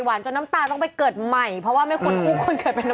หวานจนน้ำตาลต้องไปเกิดใหม่เพราะว่าไม่ควรคู่ควรเกิดไปน้ำตาล